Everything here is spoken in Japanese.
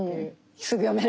すぐ読める。